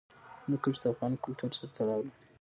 هندوکش د افغان کلتور سره تړاو لري.